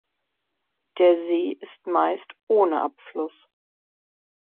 Der See ist meist ohne Abfluss.